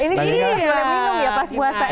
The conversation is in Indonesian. ini boleh minum ya pas puasa